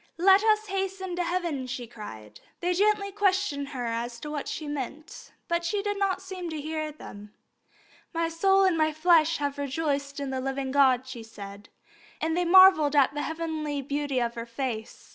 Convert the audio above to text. "Let us hasten to heaven!" she cried. They gently questioned her as to what she meant, but she did not seem to hear them. "My soul and my flesh have rejoiced in the living God," she said, and they marvelled at the heavenly beauty of her face.